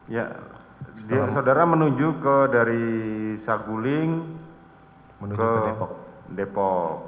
ya saudara menuju ke dari sakuling ke depok